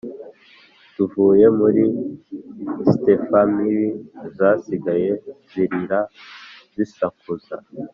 Tuvuye muri Ste Famille zasigaye zirira zisakuza